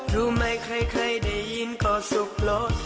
รู้ไหมใครได้ยินก็สุขโล